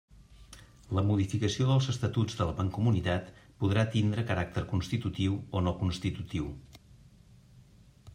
La modificació dels Estatuts de la Mancomunitat podrà tindre caràcter constitutiu o no constitutiu.